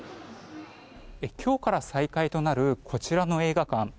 今日から再開となるこちらの映画館。